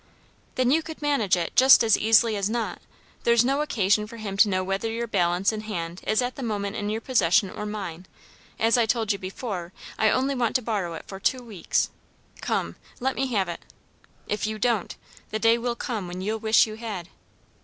"Then you could manage it just as easily as not. There's no occasion for him to know whether your balance in hand is at that moment in your possession or mine; as I told you before, I only want to borrow it for two weeks. Come, let me have it. If you don't, the day will come when you'll wish you had."